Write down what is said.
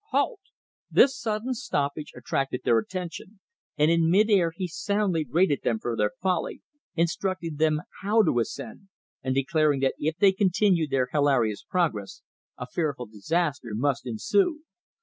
"Halt!" This sudden stoppage attracted their attention, and in mid air he soundly rated them for their folly, instructing them how to ascend, and declaring that if they continued their hilarious progress a fearful disaster must ensue.